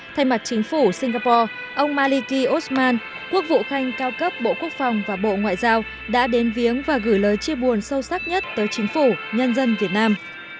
thay mặt chính phủ singapore ông maliki osman quốc vụ khanh cao cấp bộ quốc phòng và bộ ngoại giao đã đến viếng và gửi lời chia buồn sâu sắc nhất tới chính phủ nhân dân việt nam